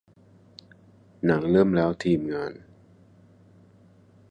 หนังเริ่มแล้ว ทีมงาน